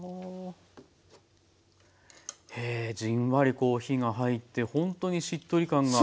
へえじんわりこう火が入ってほんとにしっとり感が。